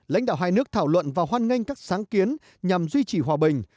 lãnh đạo hai nước thảo luận và hoan nghênh các sáng kiến nhằm duy trì hòa bình